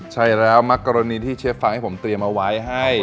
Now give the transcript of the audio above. ใช่แล้วมักกรณีที่เชฟฟังให้ผมเตรียมเอาไว้ให้